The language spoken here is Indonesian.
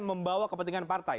membawa kepentingan partai